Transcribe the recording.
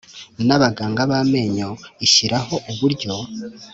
N abaganga b amenyo ishyiraho uburyo